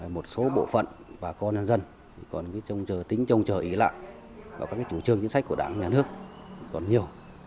một số bộ phận bà con nhân dân còn tính trông chờ ý lạc vào các chủ trương chính sách của đảng nhà nước còn nhiều